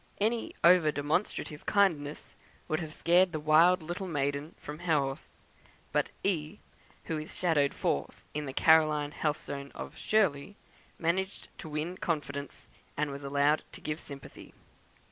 Any over demonstrative kindness would have scared the wild little maiden from Haworth; but "E." (who is shadowed forth in the Caroline Helstone of "Shirley") managed to win confidence, and was allowed to give sympathy.